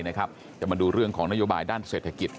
จะมาดูเรื่องของนโยบายด้านเศรษฐกิจ